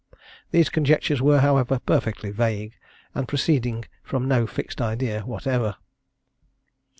These conjectures were, however, perfectly vague, and proceeding from no fixed idea whatever.